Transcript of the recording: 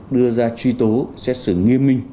đưa ra truy tố xét xử nghiêm minh